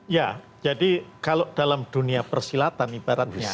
ya jadi kalau dalam dunia persilatan ibaratnya